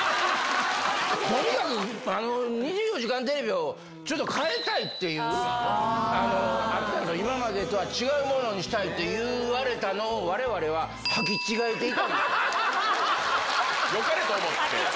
とにかく、２４時間テレビをちょっと変えたいっていう、あったんですよ、今までのとは違うものにしたいということを、われわれは履き違えよかれと思って。